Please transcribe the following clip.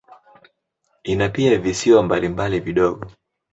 Ina pia visiwa mbalimbali vidogo.